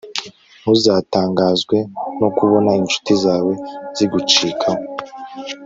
ntuzatangazwe no kubona incuti zawe zigucikaho